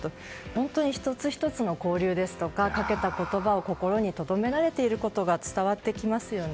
本当に１つ１つの交流ですとかかけた言葉を心にとどめられていることが伝わってきますよね。